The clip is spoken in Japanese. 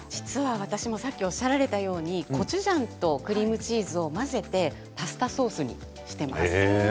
私もさっきおっしゃったようにコチュジャンとクリームチーズを混ぜてパスタソースにしています。